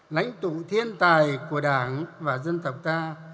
lãnh tụ thiên tài của đảng và dân tộc ta